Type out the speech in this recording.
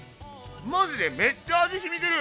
マジでめっちゃ味しみてる！